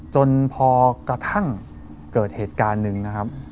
จนพอกระทั่งเกิดเหตุการณ์หนึ่งนะครับ